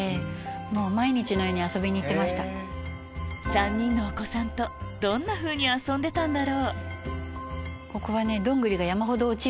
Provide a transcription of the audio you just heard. ３人のお子さんとどんなふうに遊んでたんだろう？